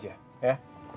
ya aku gitu